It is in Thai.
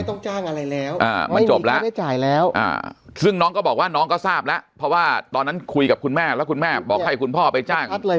ต้องจ้างอะไรแล้วมันจบแล้วไม่ได้จ่ายแล้วซึ่งน้องก็บอกว่าน้องก็ทราบแล้วเพราะว่าตอนนั้นคุยกับคุณแม่แล้วคุณแม่บอกให้คุณพ่อไปจ้าง